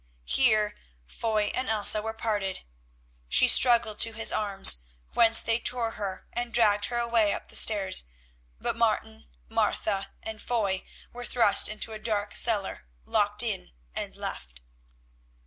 Here Foy and Elsa were parted. She struggled to his arms, whence they tore her and dragged her away up the stairs, but Martin, Martha and Foy were thrust into a dark cellar, locked in and left.